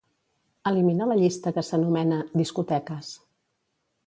Elimina la llista que s'anomena "discoteques".